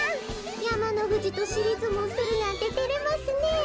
やまのふじとしりずもうするなんててれますねえ。